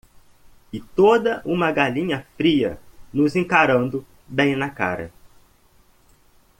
E toda uma galinha fria nos encarando bem na cara.